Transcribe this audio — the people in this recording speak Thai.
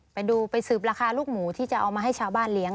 ไปดูไปสืบราคาลูกหมูที่จะเอามาให้ชาวบ้านเลี้ยง